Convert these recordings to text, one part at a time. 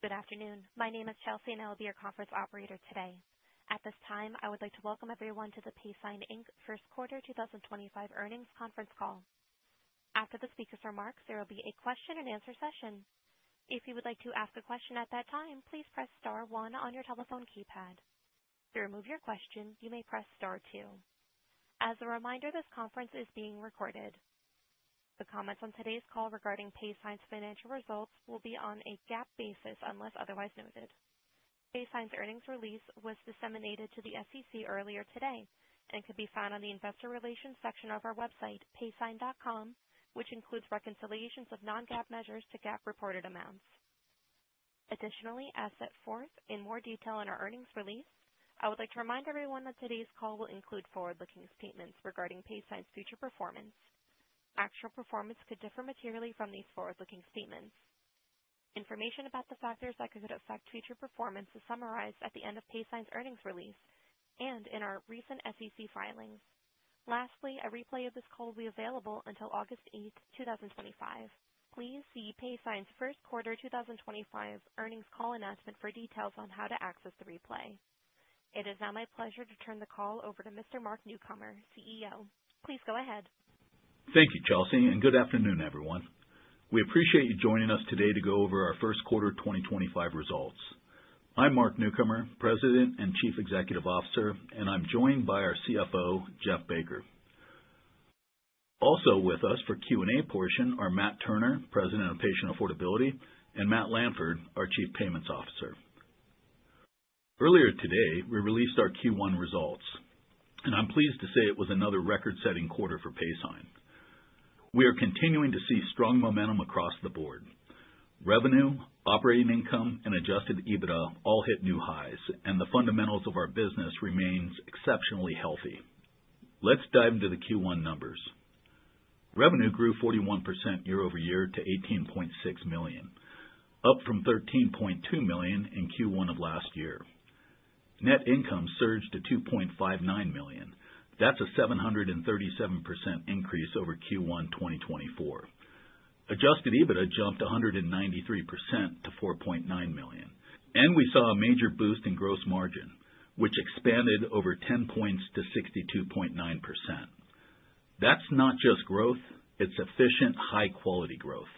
Good afternoon. My name is Chelsea, and I will be your conference operator today. At this time, I would like to welcome everyone to the Paysign Inc First Quarter 2025 Earnings Conference Call. After the speakers are marked, there will be a question-and-answer session. If you would like to ask a question at that time, please press star one on your telephone keypad. To remove your question, you may press star two. As a reminder, this conference is being recorded. The comments on today's call regarding Paysign's financial results will be on a GAAP basis unless otherwise noted. Paysign's earnings release was disseminated to the SEC earlier today and can be found on the investor relations section of our website, paysign.com, which includes reconciliations of non-GAAP measures to GAAP reported amounts. Additionally, as set forth in more detail in our earnings release, I would like to remind everyone that today's call will include forward-looking statements regarding Paysign's future performance. Actual performance could differ materially from these forward-looking statements. Information about the factors that could affect future performance is summarized at the end of Paysign's earnings release and in our recent SEC filings. Lastly, a replay of this call will be available until August 8, 2025. Please see Paysign's First Quarter 2025 earnings call announcement for details on how to access the replay. It is now my pleasure to turn the call over to Mr. Mark Newcomer, CEO. Please go ahead. Thank you, Chelsea, and good afternoon, everyone. We appreciate you joining us today to go over our First Quarter 2025 results. I'm Mark Newcomer, President and Chief Executive Officer, and I'm joined by our CFO, Jeff Baker. Also with us for the Q&A portion are Matt Turner, President of Patient Affordability, and Matt Lanford, our Chief Payments Officer. Earlier today, we released our Q1 results, and I'm pleased to say it was another record-setting quarter for Paysign. We are continuing to see strong momentum across the board. Revenue, operating income, and adjusted EBITDA all hit new highs, and the fundamentals of our business remain exceptionally healthy. Let's dive into the Q1 numbers. Revenue grew 41% year-over-year to $18.6 million, up from $13.2 million in Q1 of last year. Net income surged to $2.59 million. That's a 737% increase over Q1 2024. Adjusted EBITDA jumped 193% to $4.9 million, and we saw a major boost in gross margin, which expanded over 10 percentage points to 62.9%. That's not just growth; it's efficient, high-quality growth.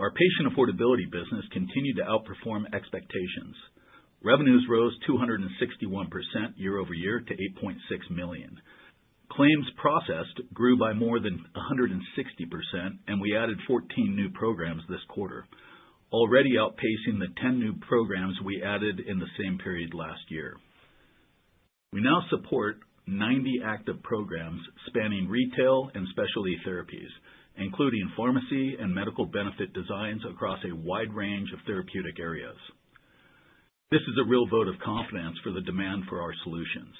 Our Patient Affordability Business continued to outperform expectations. Revenues rose 261% year-over-year to $8.6 million. Claims processed grew by more than 160%, and we added 14 new programs this quarter, already outpacing the 10 new programs we added in the same period last year. We now support 90 active programs spanning retail and specialty therapies, including pharmacy and medical benefit designs across a wide range of therapeutic areas. This is a real vote of confidence for the demand for our solutions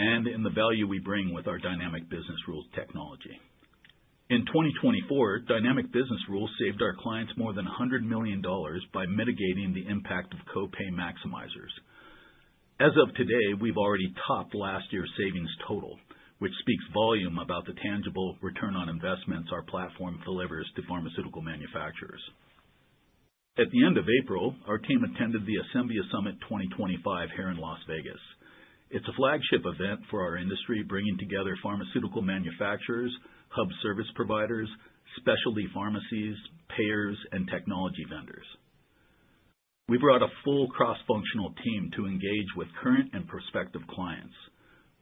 and in the value we bring with our Dynamic Business Rules technology. In 2024, Dynamic Business Rules saved our clients more than $100 million by mitigating the impact of copay maximizers. As of today, we've already topped last year's savings total, which speaks volumes about the tangible return on investments our platform delivers to pharmaceutical manufacturers. At the end of April, our team attended the Assembly Summit 2025 here in Las Vegas. It's a flagship event for our industry, bringing together pharmaceutical manufacturers, hub service providers, specialty pharmacies, payers, and technology vendors. We brought a full cross-functional team to engage with current and prospective clients.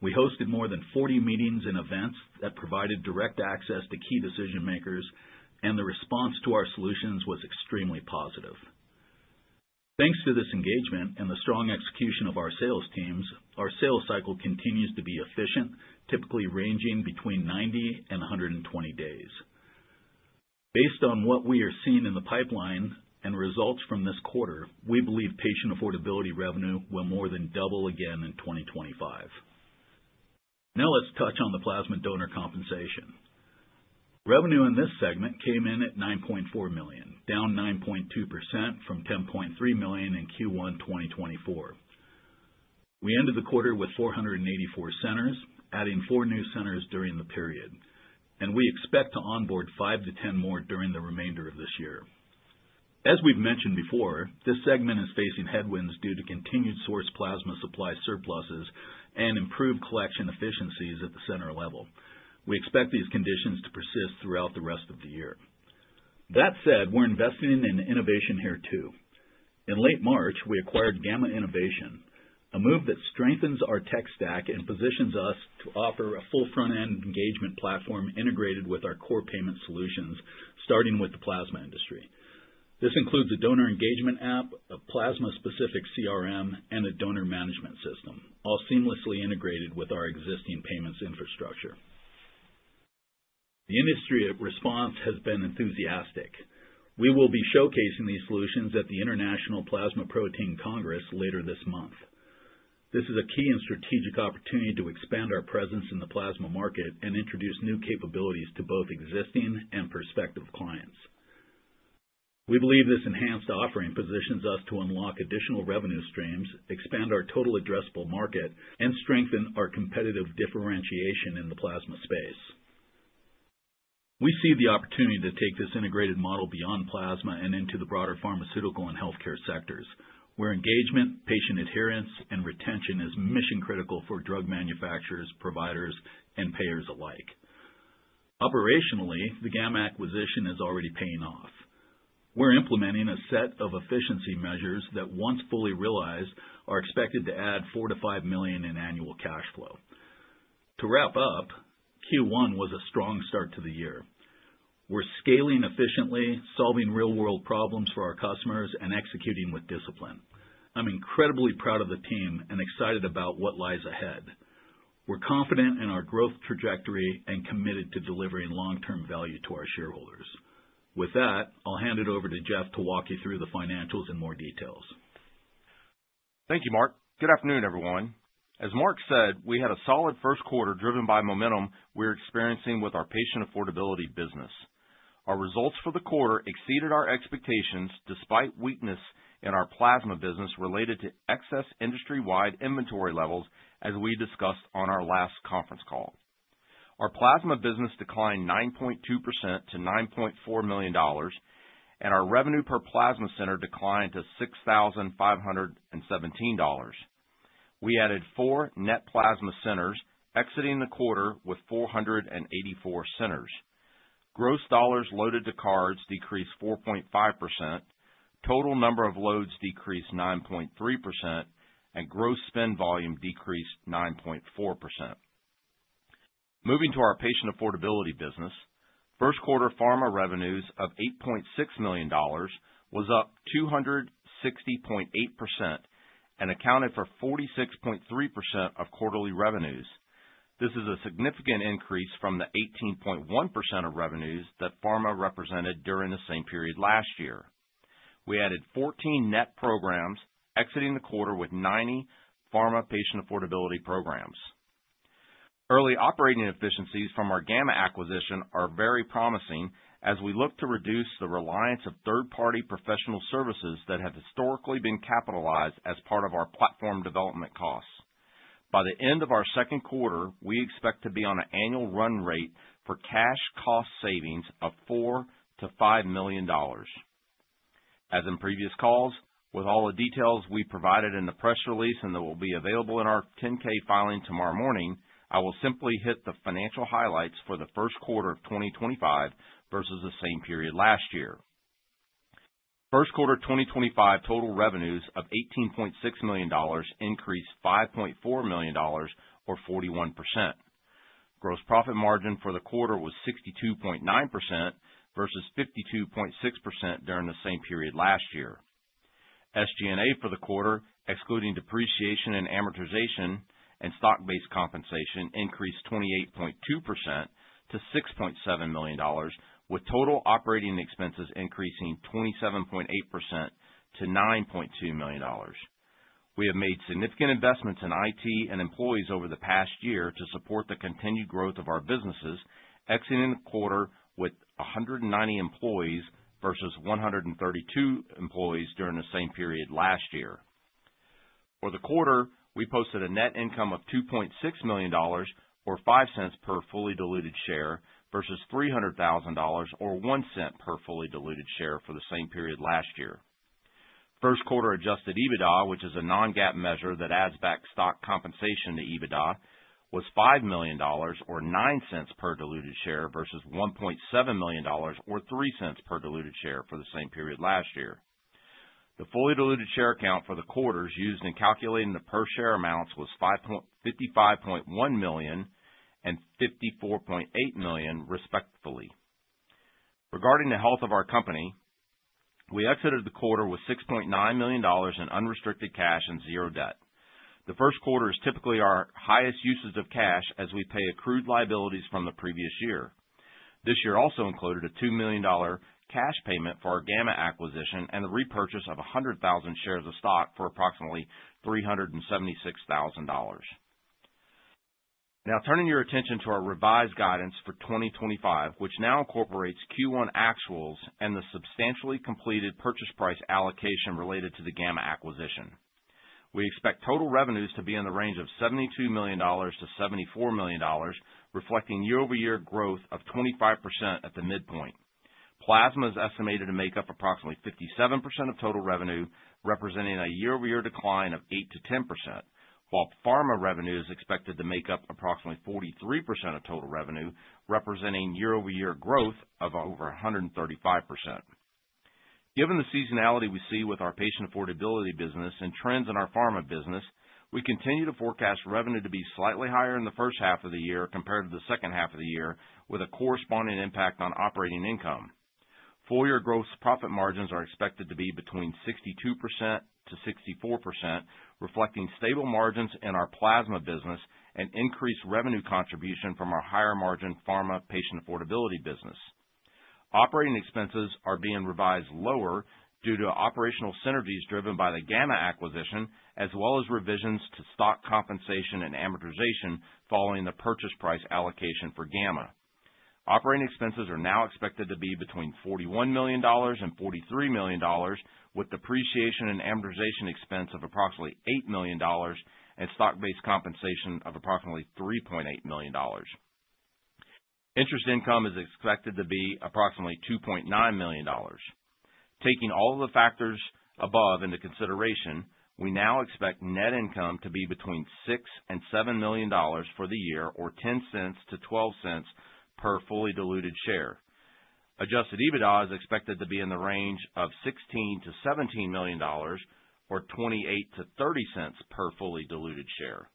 We hosted more than 40 meetings and events that provided direct access to key decision-makers, and the response to our solutions was extremely positive. Thanks to this engagement and the strong execution of our sales teams, our sales cycle continues to be efficient, typically ranging between 90 and 120 days. Based on what we are seeing in the pipeline and results from this quarter, we believe patient affordability revenue will more than double again in 2025. Now let's touch on the plasma donor compensation. Revenue in this segment came in at $9.4 million, down 9.2% from $10.3 million in Q1 2024. We ended the quarter with 484 centers, adding four new centers during the period, and we expect to onboard 5-10 more during the remainder of this year. As we've mentioned before, this segment is facing headwinds due to continued source plasma supply surpluses and improved collection efficiencies at the center level. We expect these conditions to persist throughout the rest of the year. That said, we're investing in innovation here too. In late March, we acquired Gamma Innovation, a move that strengthens our tech stack and positions us to offer a full front-end engagement platform integrated with our core payment solutions, starting with the plasma industry. This includes a Donor Engagement App, a Plasma-specific CRM, and a Donor Management System, all seamlessly integrated with our existing payments infrastructure. The industry response has been enthusiastic. We will be showcasing these solutions at the International Plasma Protein Congress later this month. This is a key and strategic opportunity to expand our presence in the plasma market and introduce new capabilities to both existing and prospective clients. We believe this enhanced offering positions us to unlock additional revenue streams, expand our total addressable market, and strengthen our competitive differentiation in the plasma space. We see the opportunity to take this integrated model beyond plasma and into the broader pharmaceutical and healthcare sectors, where engagement, patient adherence, and retention is mission-critical for drug manufacturers, providers, and payers alike. Operationally, the Gamma acquisition is already paying off. We're implementing a set of efficiency measures that, once fully realized, are expected to add $4 million-$5 million in annual cash flow. To wrap up, Q1 was a strong start to the year. We're scaling efficiently, solving real-world problems for our customers, and executing with discipline. I'm incredibly proud of the team and excited about what lies ahead. We're confident in our growth trajectory and committed to delivering long-term value to our shareholders. With that, I'll hand it over to Jeff to walk you through the financials in more detail. Thank you, Mark. Good afternoon, everyone. As Mark said, we had a solid first quarter driven by momentum we're experiencing with our Patient Affordability Business. Our results for the quarter exceeded our expectations despite weakness in our plasma business related to excess industry-wide inventory levels, as we discussed on our last conference call. Our plasma business declined 9.2% to $9.4 million, and our revenue per plasma center declined to $6,517. We added four net plasma centers, exiting the quarter with 484 centers. Gross dollars loaded to cards decreased 4.5%, total number of loads decreased 9.3%, and gross spend volume decreased 9.4%. Moving to our Patient Affordability Business, first-quarter pharma revenues of $8.6 million was up 260.8% and accounted for 46.3% of quarterly revenues. This is a significant increase from the 18.1% of revenues that pharma represented during the same period last year. We added 14 net programs, exiting the quarter with 90 pharma patient affordability programs. Early operating efficiencies from our Gamma acquisition are very promising as we look to reduce the reliance of third-party professional services that have historically been capitalized as part of our platform development costs. By the end of our second quarter, we expect to be on an annual run rate for cash cost savings of $4 million-$5 million. As in previous calls, with all the details we provided in the press release and that will be available in our 10-K filing tomorrow morning, I will simply hit the financial highlights for the first quarter of 2025 versus the same period last year. First quarter 2025 total revenues of $18.6 million increased $5.4 million, or 41%. Gross profit margin for the quarter was 62.9% versus 52.6% during the same period last year. SG&A for the quarter, excluding depreciation and amortization and stock-based compensation, increased 28.2% to $6.7 million, with total operating expenses increasing 27.8% to $9.2 million. We have made significant investments in IT and employees over the past year to support the continued growth of our businesses, exiting the quarter with 190 employees versus 132 employees during the same period last year. For the quarter, we posted a net income of $2.6 million, or $0.05 per fully diluted share, versus $300,000, or $0.01 per fully diluted share for the same period last year. First quarter adjusted EBITDA, which is a non-GAAP measure that adds back stock compensation to EBITDA, was $5 million, or $0.09 per diluted share, versus $1.7 million, or $0.03 per diluted share for the same period last year. The fully diluted share count for the quarters used in calculating the per-share amounts was $55.1 million and $54.8 million, respectively. Regarding the health of our company, we exited the quarter with $6.9 million in unrestricted cash and zero debt. The first quarter is typically our highest usage of cash as we pay accrued liabilities from the previous year. This year also included a $2 million cash payment for our Gamma acquisition and the repurchase of 100,000 shares of stock for approximately $376,000. Now, turning your attention to our revised guidance for 2025, which now incorporates Q1 actuals and the substantially completed purchase price allocation related to the Gamma acquisition. We expect total revenues to be in the range of $72 million-$74 million, reflecting year-over-year growth of 25% at the midpoint. Plasma is estimated to make up approximately 57% of total revenue, representing a year-over-year decline of 8-10%, while pharma revenue is expected to make up approximately 43% of total revenue, representing year-over-year growth of over 135%. Given the seasonality we see with our Patient Affordability Business and trends in our Pharma Business, we continue to forecast revenue to be slightly higher in the first half of the year compared to the second half of the year, with a corresponding impact on operating income. Full-year gross profit margins are expected to be between 62%-64%, reflecting stable margins in our plasma business and increased revenue contribution from our higher-margin pharma Patient Affordability Business. Operating expenses are being revised lower due to operational synergies driven by the Gamma Innovation acquisition, as well as revisions to stock compensation and amortization following the purchase price allocation for Gamma Innovation. Operating expenses are now expected to be between $41 million and $43 million, with depreciation and amortization expense of approximately $8 million and stock-based compensation of approximately $3.8 million. Interest income is expected to be approximately $2.9 million. Taking all of the factors above into consideration, we now expect net income to be between $6 million and $7 million for the year, or $0.10-$0.12 per fully diluted share. Adjusted EBITDA is expected to be in the range of $16 million-$17 million, or $0.28-$0.30 per fully diluted share.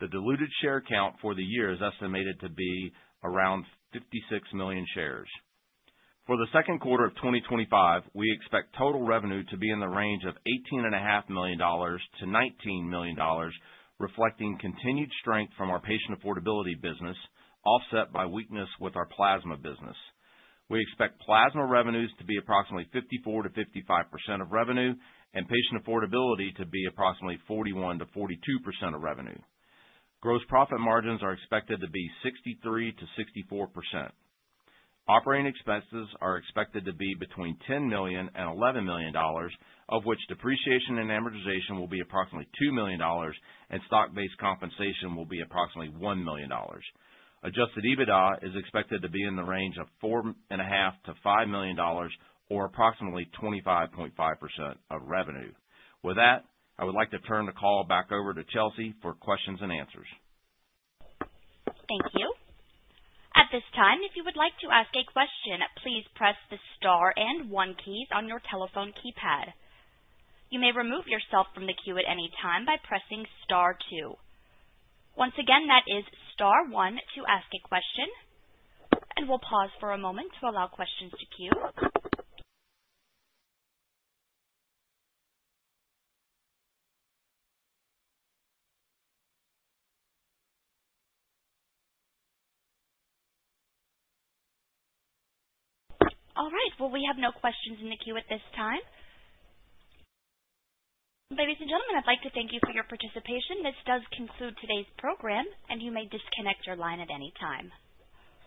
The diluted share count for the year is estimated to be around 56 million shares. For the second quarter of 2025, we expect total revenue to be in the range of $18.5 million-$19 million, reflecting continued strength from our Patient Affordability Business, offset by weakness with our plasma business. We expect plasma revenues to be approximately 54-55% of revenue, and patient affordability to be approximately 41-42% of revenue. Gross profit margins are expected to be 63-64%. Operating expenses are expected to be between $10 million and $11 million, of which depreciation and amortization will be approximately $2 million, and stock-based compensation will be approximately $1 million. Adjusted EBITDA is expected to be in the range of $4.5-$5 million, or approximately 25.5% of revenue. With that, I would like to turn the call back over to Chelsea for questions and answers. Thank you. At this time, if you would like to ask a question, please press the Star and One keys on your telephone keypad. You may remove yourself from the queue at any time by pressing Star 2. Once again, that is Star 1 to ask a question, and we will pause for a moment to allow questions to queue. All right. We have no questions in the queue at this time. Ladies and gentlemen, I would like to thank you for your participation. This does conclude today's program, and you may disconnect your line at any time.